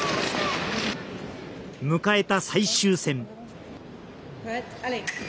迎えた最終戦。